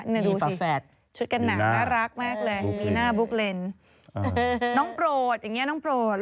นี่ดูสิชุดกันหนาวน่ารักมากเลยมีหน้าบุ๊กเลนน้องโปรดอย่างนี้น้องโปรด